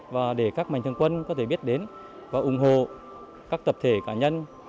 và để các mạnh thường quân có thể biết đến và ủng hộ các tập thể cá nhân